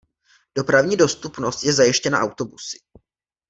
Dopravní dostupnost je zajištěna autobusy.